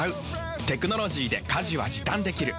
テクノロジーで家事は時短できる。